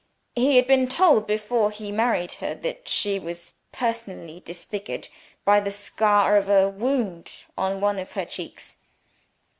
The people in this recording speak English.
He had been told, before he married her, that she was personally disfigured by the scar of a wound on one of her cheeks.